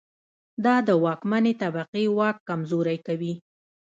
دا د واکمنې طبقې واک کمزوری کوي.